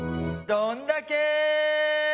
どんだけ！